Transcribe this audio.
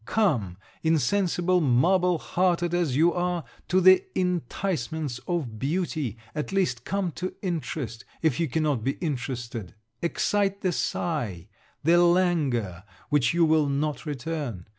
Come, insensible marble hearted as you are, to the inticements of beauty at least come to interest, if you cannot be interested; excite the sigh, the languor which you will not return!